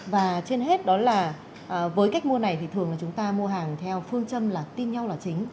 và trên hết đó là với cách mua này thì thường là chúng ta mua hàng theo phương châm là tin nhau là chính